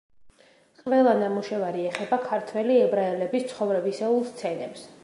ყველა ნამუშევარი ეხება ქართველი ებრაელების ცხოვრებისეულ სცენებს.